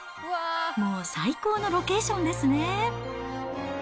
もう最高のロケーションですね。